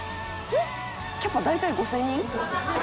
「“キャパ大体５０００人”？」